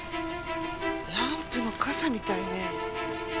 ランプの笠みたいね。